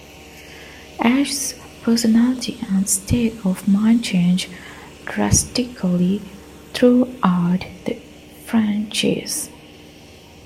Ash's personality and state of mind change drastically throughout the franchise.